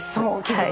はい。